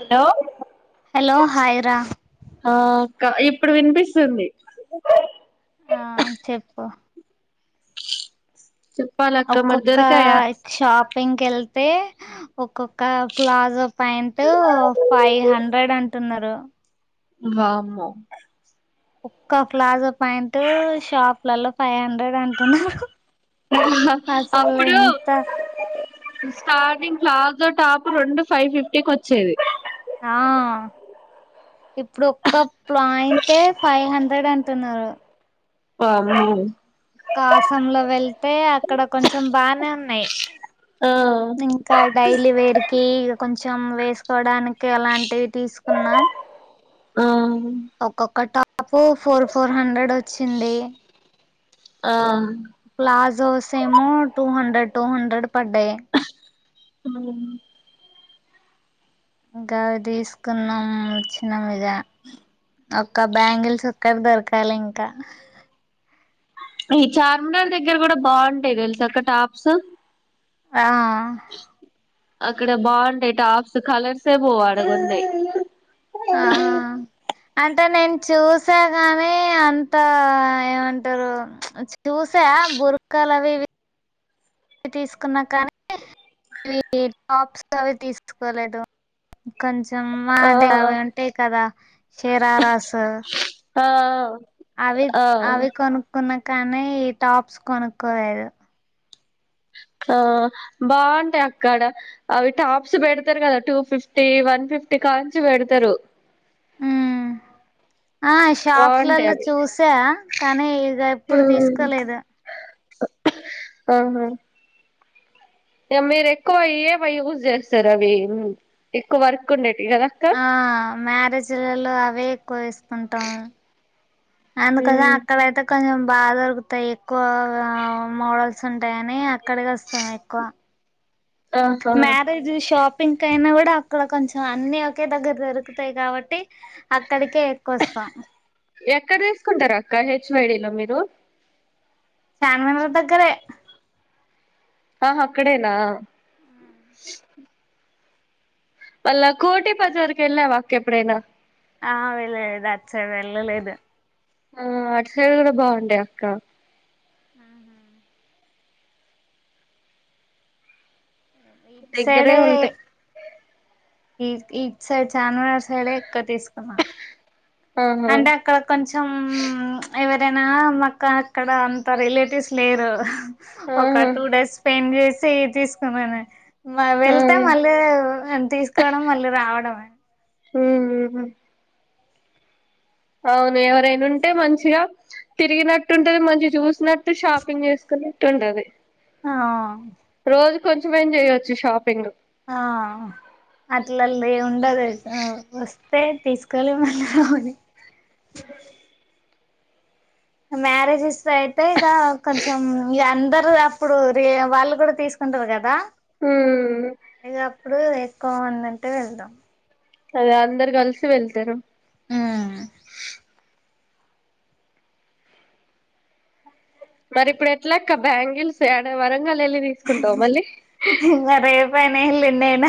Hello hello hi రా ఆ అక్క ఇప్పుడు వినిపిస్తుంది. ఆ చెప్పు చెప్పాలక్క మరి ఒక్కొక్క దొరికాయా షాప్ ప్పింగ్క్ వెళ్తే ఒక్కొక్క ప్లాజో ప్యాంట్ ఫైవ్ హండ్రెడ్ అంటున్నారు వామ్మో ఒక్క ఫ్లాజ ప్యాంటు షాప్లలల్లో ఫైవ్ హండ్రెడ్ అంటున్నారు అసలు అప్పుడు ఎంత స్టార్టింగ్ ప్లాజో టాప్ రెండు ఫైవ్ ఫిఫ్టీకి వచ్చేది ఆ ఇప్పుడు ఒక్క ప్లాయింటే ఫైవ్ హండ్రెడ్ అంటున్నారు వామ్మో కాసాం లో వెళ్తే అక్కడ కొంచెం బానే ఉన్నాయి ఆ ఇంకా డైలీ వేర్కి ఇగ కొంచెం వేస్ సొడానికి ఎలాంటివి తీసుకున్నా ఆ ఒక్కొక్క ట ఆ పో ఫోర్ ఫోర్ హండ్రెడ్ వచ్చింది ఆ ప్లాజో సేమో టూ హండ్రెడ్ టూ హండ్రెడ్ పడ్డయి మ్మ్ ఇంకా అవి తీసుకున్నాం వచ్చినం ఇగ ఒక్క బ్యాంగిల్స్ ఒక్కటి దొరకాలి ఇంకా ఈ చార్మినార్ దగ్గర కూడా బాగుంటాయి తెలుసా అక్క టాప్స్ ఆ అక్కడ బాగుంటాయి టాప్స్ కలర్సే పోవు ఆడ కొంటె ఆ అంటే నేను చూసా కాని అంత ఏమంటారు చూసా బురకలవి ఇవి తీసుకున్నా కానీ ఇవి టాప్స్ అవి తీసుకోలేదు కొంచెం సినిమా ఆ అంటే అవి ఉంటాయి కదా శిరారస్ ఆ అవి ఆ అవి కొనుక్కున్న కానీ టాప్స్ కొనుక్కోలేదు ఆ బాగుంటాయి అక్కడ అవి టాప్స్ పెడతారు కదా టూ ఫిఫ్టీ వన్ ఫిఫ్టీ కాంచి పెడతారు ఉమ్ ఆ షాప్స్ బాగుంటాయి లల్లో అవి చూసా కానీ ఇగ ఎప్పుడు తీసుకోలేదు ఆహా ఇగ మీరు ఎక్కువేవ యూజ్ చేస్తారు అవి ఎక్కువ వర్క్ ఉండే ఆ మ్యారేజీలలో అవే ఎక్కువ వేసుకుంటాం అందుకోసం ఉమ్ అక్కడయితే కొంచెం బాగా దొరుకుతాయి ఎక్కువ మోడల్స్ ఉంటాయి అని అక్కడికి వస్తాం ఎక్కువ ఆహా మ్యారేజు షాపు పింక్ అయినా కూడా అక్కడ కొంచెం అన్ని ఒకే దగ్గర దొరుకుతాయి కాబట్టి అక్కడికే ఎక్కువ వస్తాం ఎక్కడ తీసుకుంటారు అక్క హెచ్వైడీలో మీరు చార్మినార్ దగ్గరే ఆ అక్కడేనా అలా కోటి పజారుకి వెళ్ళవ అక్క ఎప్పుడేనా ఆ వెళ్ళలేదు అచ్చే వెళ్ళలేదు ఆ ఆటుసైడు కూడా బాగుంయి అక్క ఆ హా ఇటు సైడ దగ్గరే ఉంటాయి ఈ ఈ సైడ్ చార్మినార్ సైడే ఎక్కువ తీసుకున్నాం ఆహా అంటే అక్కడ కొంచెం ఎవరైనా కా అక్కడ అంత రిలేటివ్స్ లేరు ఒక ఆహా టూ డేస్ స్పెండ్ చేసి స తీ మ ఆ వెళ్తే మళ్ళీ తీసుకోవడం మళ్ళీ రావడమే [inaudible] హ అవును ఎవరైనా ఉంటే మంచిగా తిరిగినట్టుంటది మంచి చూసినట్టు షాపింగ్ చేసుకున్నట్టు ఉంటది ఆ రోజు కొంచెంమే చేయొచ్చు షాపింగ్ ఆ అట్లా ఉండద వ ఎ తీసుకోలే వాళ్ళు అని మ్యారేజెస్ లో అయితే ఇక కొంచెం అందరు అప్పుడు ర వాళ్ళు కూడా తీసుకుంటారు కదా హ ఇప్పుడు ఎక్కువ ఉందంటే వెళ్తాం అదే అందరు కలిసి వెళ్తారు ఉమ్ మరి ఇప్పుడు ఎట్లా అక్కా బ్యాంగిల్స్ ఏడ వరకు మల్లి వెళ్ళి తీసుకుంటావు మళ్ళీ పైన వెళ్ళిండు ఆయన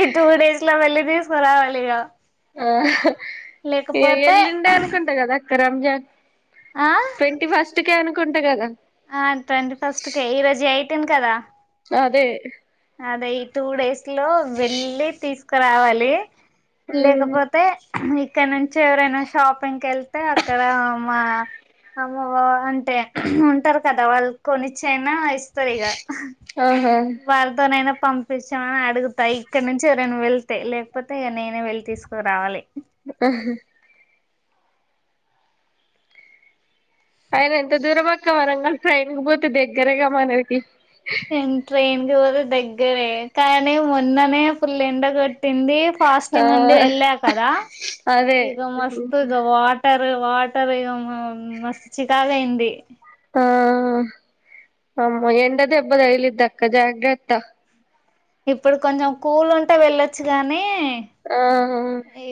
ఈ టూ డేస్ లో వెళ్ళి తీసుకురావాలి ఇక ఆ ఎల్లుండే అనుకుంటా కదా క్క రంజాన్ ఆ ట్వంటీ ఫస్ట్ ఇట్టుకే అనుకుంట కదా ఆ ట్వంటీ ఫస్ట్ కే ఈ ఈరోజు ఐ పెట్టింది కదా అదే అదే ఈ టూ డేస్ లో వెళ్ళి తీసు క రావాలి ఉమ్ లేకపోతే ఇక్కడ నుంచి ఎవరైనా షాపింగ్కి ళ్తే తే అక్కడ మా అమ్మ బో అంటే ఉంటారు కదా వాళ్ళు కొన్నిచ్చి అయినా ఇస్ స్తరిగా ఆహా ఎవరితోనైనా పంపించామని అడుగుతా ఇక్కడ నుంచి ఎరైనా వెళ్తే లేకపోతే ఇక నేనే వెళ్లి తీసుకురావాలి ఆహా అయన ఎంత దూరం అక్కా వరంగల్ ట్రైన్ కి పోతే దగ్గరే గా మనకి ఏం టేన్ జోరు దగ్గరే కానీ మొన్ననే ఫుల్ ఎండ కొట్టి ట్టింది ఆ ఫాస్టింగ్ ఉండి వెళ్ళ కదా అదే ఇక మస్తుగా వాటర్ వాటర్ ఇగ మస్తు చికాకు అయింది ఆ అమ్మో ఎండ దెబ్బ తగిలిదిక్కా జాగ్రత్త ఇప్పుడు కొంచెం కూల్ ఉంటే వెళ్ళొచ్చు గానీ ఆ ఏ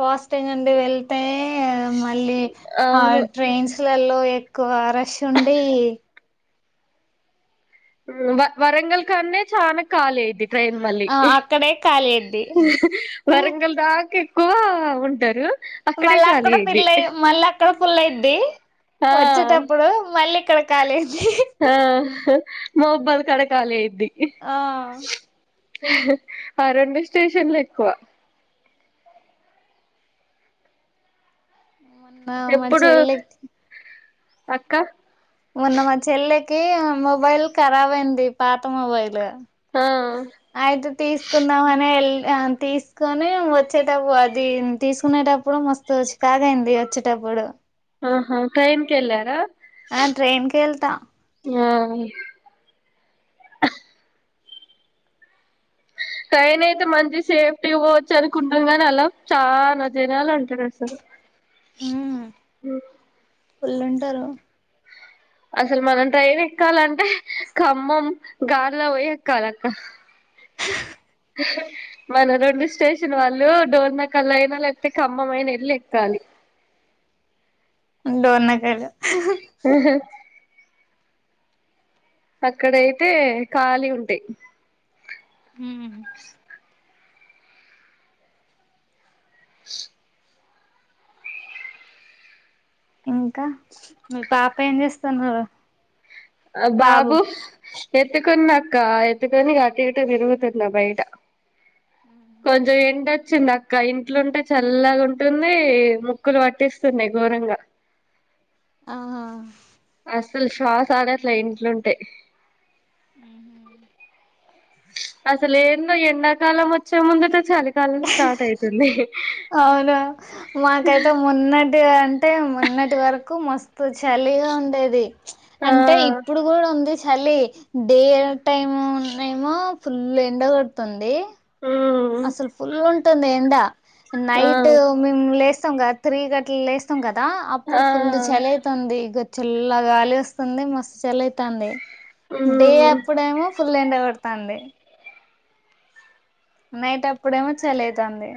ఫాస్టింగ్ ఉండి వెళ్తే ఏ మళ్ళీ ఆ అవును ట్రైన్స్ లలో ఎ కోవ రష్ ఉండి వ వరంగల్ కాన్నే చాన ఖాళీ అయిద్ది ట్రెన్ మళ్ళి ఆ అక్కడే కాలి అయిద్ది వరంగల్ దాంక ఎక్కువ ఉంటారు అక్కడే మళ్ళా ఖాళీ అక్కడ అయిద్ది పిల్ల మళ్ళ అ ఎక్కడ ఫుల్ అయిద్ది ఆ వచ్చేటప్పుడు మళ్ళీ కిడకాలి ఆ మవుబ్బాల కాడ కాళి అయి ఆ ఆ రెండు స్టేషన్ లో ఎక్కువ మా ఎప్పుడు చెల్లక్ అక్క కీ మొబైల్ ఖరాబ్ అయింది పాత మొబైల్ ఆ అయితే తీసుకుందామని ఎల్ ఆ తీస్కొనీ వచ్చేటపు అదీ తీసుకునేటప్పుడు మస్త్ స్టాగ్ అయింది వచ్చేటప్పుడు. ఆహా ట్రైన్ కెళ్లారా? ఆ ట్రైన్ కే ఎల్తాం. ఆ ట్రైన్ అయితే మంచి సేఫ్టీగ పోవచ్చు అనుకుంటాం గాని అలా చాన జనాలుంటరు అసలు. ఫుల్లుంటరు. అసలు మనం ట్రైన్ ఎక్కాలంటే, ఖమ్మం గాలిలో పోయి ఎక్కాలక్క. మన రొండు స్టేషన్ వాళ్లూ డోర్నకల్ అయినా లేకపోతే ఖమ్మం అయినా ఎల్లి ఎక్కాలి. డోర్నకల్. హ్మహ అక్కడయితే ఖాళీ ఉంటయి. హ్మ్ ఇంకా, మీ పాప ఏం చేస్తోందో? అ బాబు ఎత్తుకున్నాక్కా, ఎత్తుకొని ఇగ అటు ఇటు తిరుగుతున్నా బయట. కొంచెం ఎండ చ్చింది అక్క ఇంట్లో ఉంటే చల్లగ ఉంటుందీ, ముక్కులు పట్టిస్తున్నై ఘోరంగా. ఆ అస్సలు శ్వాస ఆడట్లా ఇంట్లో ఉంటే. ఆ అసలేందో ఎండాకాలం వచ్చే ముందటే చలి. కాలం స్టార్ట్ అయితుంది. అవును, మాకైతే మొన్న అంటే అంటే మొన్నటి వరకు మస్ ప్పుడు చలిగా ఉండేది. త్చ్ ఆ అంటే ఇప్పుడు కూడ ఉంది చ చలి [unintelligible] ఫుల్లు ఎండగొడుతొంది. ఉమ్ అసలు ఫుల్ల్ ఉం తోంది ఏండ. ఆ నైట్ మేం లేస్ త్తంగ త్రీ గట్ల లేస్తంగ దా అప్పుడు ఆ ఫుల్ల్ చలి అయితొంది. గ చల్ల గాలి వస్తుంది, మస్స్ చలయితాంది. డే ఉమ్ అప్పుడేమో ఫుల్ ఎండ కొడతాంది. నైట్ అప్పుడేమో చలి అయితాంది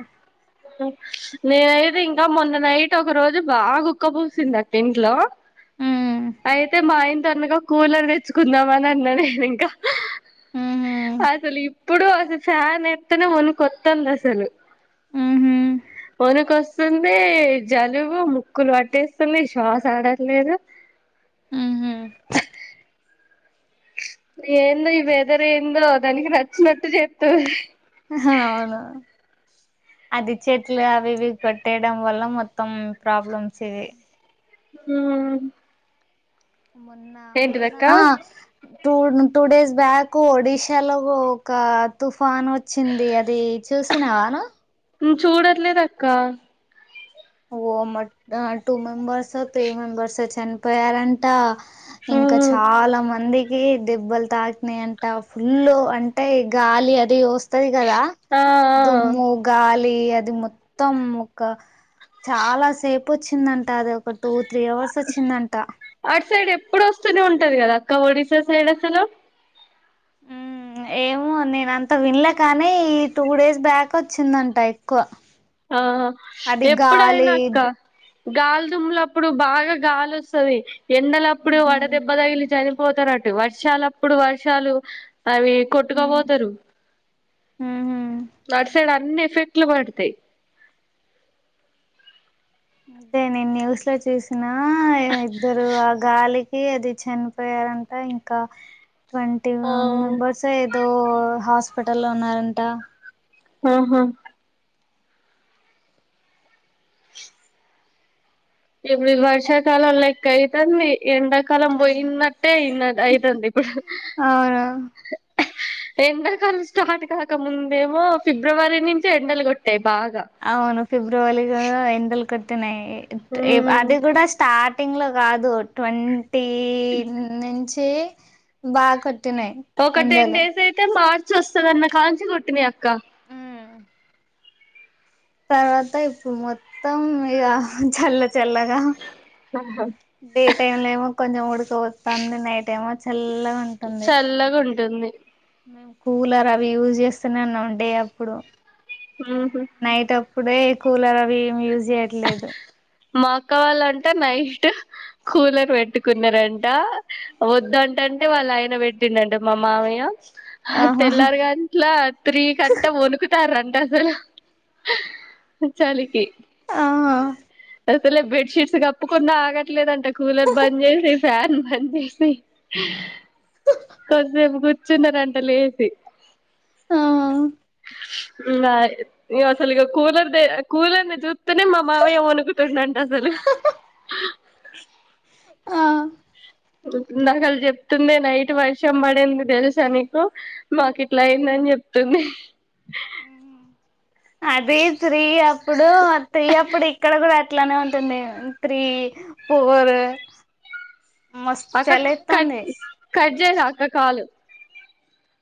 నేనైతే ఇంకా మొన్న నైట్ ఒక రోజు బాగా గుక్క పోసింది అక్క ఇంట్లో ఉమ్ అయితే మాఇన్ సన్నగా కూలర్ తెచ్చుకుందామ అని అన్నా నేను ఇంకా ఊహూ ఆసలు ఇప్ ఇప్పుడు అసలు ఫ్యాన్ ఎతేనే వనుకొత్తంది అసలు ఊహూ వనుకొస్తుంది. జలుబు ముక్కులు పట్టేస్తుంది. శ్వాస ఆడట్లేదు. ఉహు ఏందో ఈ వెదర్ ఏందో దానికి నచ్చినట్టు చెప్తన్ అవును అది చెట్లు అవి ఇవి కొట్టేయడం వల్ల మొత్తం ప్రాబ్లమ్స్ ఇవి హ్మ్ ఉ మొన్నా మొన్నా టూ టూ డేస్ బ్యాక్ ఒడిషాలో ఒక తుప్ పాన్ వచ్చింది అది చూసినావానా ఉ చూడట్లేదు అక్క ఓ మ టూ మెంబెర్స్ ఒ త్రీ మెంబెర్స్ ఒ చనిపోయారంట. ఇంకా ఆ చాలా మంది దెబ్బలు తాకినాయి అంట ఫుల్ అంటే గాలి అది వస్తది. కదా ఆ దుమ్ము, గాలి అది అది మొత్తం ఒక చాలా సేఫ్ వచ్చిందంట అది ఒక టూ త్రీ అవర్స్ వచ్చిందంట అటు సైడ్ ఎప్పుడు వస్తూనే ఉంటది కదా అక్క ఒడిసా సైడ్ అసలు ఉమ్ ఏమో నేన అంత వినలే కానీ ఈ టూ డేస్ బ్యాక్ వచ్చిందంట ఎక్కువ ఆ అది గాలి ఎప్పుడయినా అక్క గాలిదుమ్ల అప్పుడు బాగా గాలి వస్తది ఎండలప్పుడు ఉహు, వడ దెబ్బ తగిలి చని పోతన్నట్టు వర్షాలప్పుడు వర్షాలు అవి ఉహు, కొట్టుకపోతరు ఉహు. అటు సైడ్ అన్ని ఎఫెక్ట్లు పడతయ్ అదే నేను న్యూస్లో చూసిన ఆ ఇద్దరు ఆ గాలి ఏ అది చనిపోయారంట ఇంకా ట్వంటీ ఆ మెంబర్స్ ఏదో హాస్ హాస్పిటల్లో ఉన్నారంట ఆహా ఇప్పుడు ఇది వర్షాకాలం లైక్కాయితంది ఎండాకాలం ఉ పోయినట్టే ఇన అయితంది అవును ఎండకాలం స్టార్ట్ కాకముందేమో ఫిబ్రవరి నుంచె ఎండలు కొట్టేద్ అవును ఫిబ్రవరిలో ఎండల్ కొట్ ట్టినై ఏ ఉమ్ అది కూడా స్టార్ట్ ార్టింగ్ లో కాదు ట్వన్ టి నుంచి చి బ కొట్ ఒక టెన్ డేస్ అయితే మార్ ర్చ్ వస్తదన్నకంచి కొట్టినయక్క ఉమ్. తర్వాత ఇప్పుడు మొత్తం ఇగ చల్ల చల్లగా ఆహా డే టైమ్ లో ఏమో కొంచెం ఉడికపోతంది నైట్ ఏమో చల్లగ ఉంటుంది చల్లగా ఉంటుంది మేము కూలర్ అవి యూజ్ చేస్ న్నమ్ డే అప్పుడు ఉహు నైట్ ఇప్పుడే కూలర్ అవి ఏం యూజ్ చేయట్లేదు మా అక్క వాళ్ళంట నైట్ కూలర్ పెట్టుకున్నారంట వద్దాటంటే వాళ్ళయిన పెట్టిండంట మా మామయ్య ఆహా తెల్లారు గంట్ల త్రి కట్టా వనుకుతారం టసలు చలికి ఆ అ అసలే బెడ్షీట్స్ కప్పకుడా ఆగట్లేదంట కూలర్ బంద్ చేసి ఫ్యాన్ బంద్ చేసి కొద్ధిసేపు కూర్చున్నారంట లేసి ఆ ఇంగ ఇగ అసలిగ కూలర్ కూలర్ ని చూత్ తేనె మామమాయ్యా ఒనుకుతుండంట అసలు ఆ నాక్ అల్ చెప్తుండే నైట్ వర్షం పడింది తెలుసా నీకు మాకు ఇట్లా అయిందని చెప్తుంది అదే త్రీ అప్పుడు త్రి అప్పుడు ఇక్కడకుడ్ అట్ అట్లానే ఉంటుంది త్రీ ఫోర్ మస్తు అక్క క చలి కట్ ఎత్తాంది కట్ చైరా అక్క కాలు